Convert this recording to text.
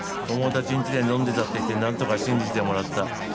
友達んちで飲んでたって言って何とか信じてもらった。